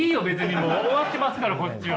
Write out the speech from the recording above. もう終わってますからこっちは！